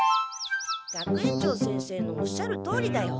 学園長先生のおっしゃるとおりだよ。